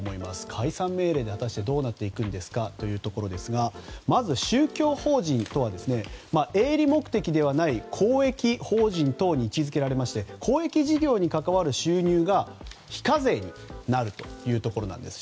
解散命令で果たしてどうなっていくんですかというところですがまず、宗教法人とは営利目的ではない公益法人等に位置付けられまして公益事業に関わる収入が非課税になるというところです。